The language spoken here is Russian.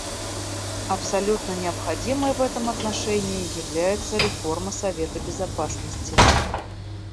Абсолютно необходимой в этом отношении является реформа Совета Безопасности.